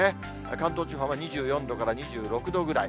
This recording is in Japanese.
関東地方は２４度から２６度ぐらい。